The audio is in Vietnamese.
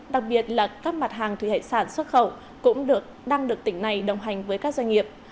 đặc biệt là các mặt hàng thủy hải sản xuất khẩu cũng đang được tỉnh này đồng hành với các doanh nghiệp